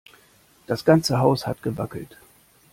Das ganze Haus hat gewackelt.